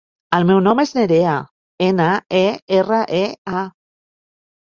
El meu nom és Nerea: ena, e, erra, e, a.